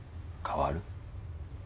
変わる？